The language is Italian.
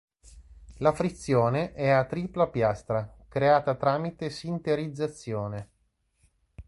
La frizione è a tripla piastra creata tramite sinterizzazione.